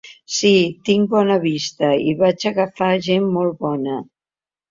Sí, tinc bona vista i vaig agafar gent molt bona.